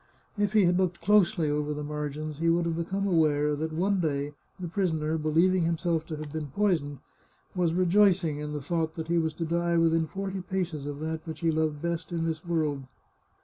If he had looked closely over the margins he would have become aware that one day the pris oner, believing himself to have been poisoned, was rejoicing in the thought that he was to die within forty paces of that which he had loved best in this world.